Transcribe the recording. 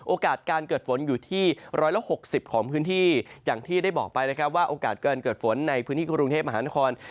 โอกาสการเกิดฝนอยู่ที่๑๖๐ของพื้นที่อย่างที่ได้บอกไปนะครับว่าโอกาสการเกิดฝนในพื้นที่กรุงเทพมหานคร